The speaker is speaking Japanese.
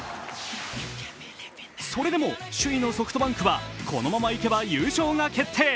それでも首位のソフトバンクはこのままいけば優勝が決定